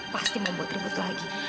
pasti mau buat ribet lagi